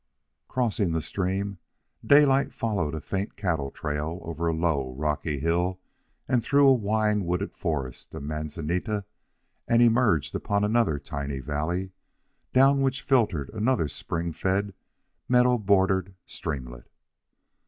Crossing the stream, Daylight followed a faint cattle trail over a low, rocky hill and through a wine wooded forest of manzanita, and emerged upon another tiny valley, down which filtered another spring fed, meadow bordered streamlet.